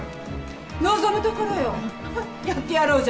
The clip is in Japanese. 望むところよはっやってやろうじゃない。